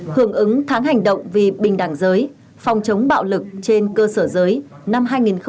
hưởng ứng tháng hành động vì bình đẳng giới phòng chống bạo lực trên cơ sở giới năm hai nghìn hai mươi